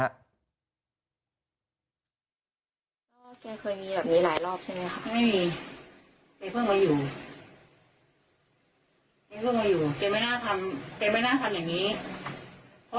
แกเคยมีแบบนี้หลายรอบใช่ไหมครับ